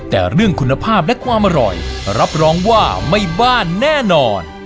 แต่เรื่องคุณภาพและความอร่อยรับรองว่าไม่บ้านแน่นอน